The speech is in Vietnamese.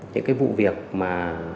những cái vụ việc mà